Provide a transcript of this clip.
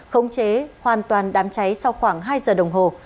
khống chế hoàn toàn đám cháy sau khoảng hai giờ đồng hồ